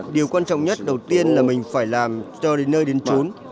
điều quan trọng nhất đầu tiên là mình phải làm cho đến nơi đến trốn